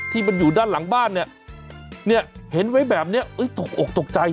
ที่มันอยู่ด้านหลังบ้านเนี่ยเห็นไว้แบบนี้ตกอกตกใจ